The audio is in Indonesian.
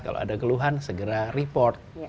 kalau ada keluhan segera report